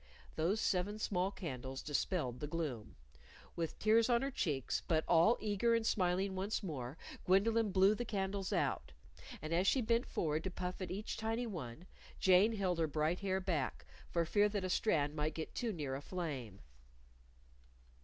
Those seven small candles dispelled the gloom. With tears on her cheeks, but all eager and smiling once more, Gwendolyn blew the candles out. And as she bent forward to puff at each tiny one, Jane held her bright hair back, for fear that a strand might get too near a flame.